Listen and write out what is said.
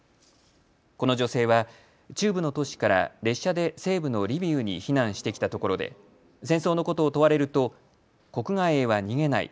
この女性は中部の都市から列車で西部のリビウに避難してきたところで戦争のことを問われると国外へは逃げない。